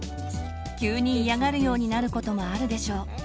急に嫌がるようになることもあるでしょう。